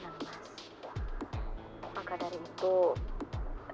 dan aku mencoba untuk menyayangi reva anak mas seperti anakku sendiri